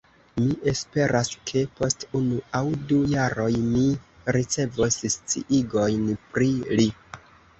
Mi esperas ke, post unu aŭ du jaroj, mi ricevos sciigojn pri li.